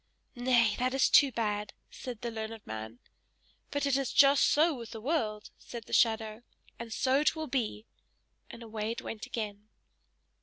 "Nay, that is too bad!" said the learned man. "But it is just so with the world!" said the shadow, "and so it will be!" and away it went again.